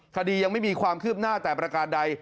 คดียังไม่มีความคืบหน้าแต่ประการใด